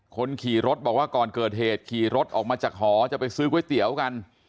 คนขี่รถบอกว่าก่อนเกิดเหตุขี่รถออกมาจากหอจะไปซื้อก๋วยเตี๋ยวกัน